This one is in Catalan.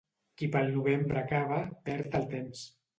Qui pel novembre cava, perd el temps.